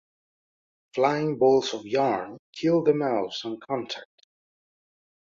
Flying Balls of Yarn kill the mouse on contact.